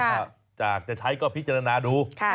ก็จากจะใช้ก็พิจารณาดู